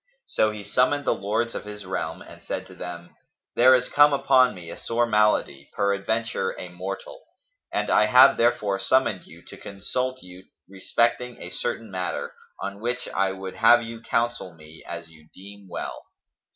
So he summoned the lords of his realm and said to them, "There is come upon me a sore malady, peradventure a mortal; and I have therefore summoned you to consult you respecting a certain matter, on which I would have you counsel me as you deem well."